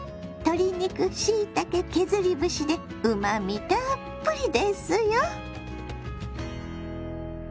鶏肉しいたけ削り節でうまみたっぷりですよ。